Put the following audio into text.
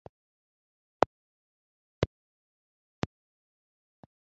Nakababaro kuzuyemo Inyandiko